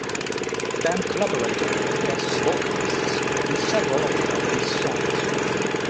The band collaborated with guest vocalists in several of the album's songs.